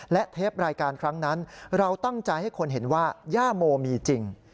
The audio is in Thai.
และเทปรายการครั้งนั้นเราตั้งใจให้คนเห็นว่าย่าโมมีจริง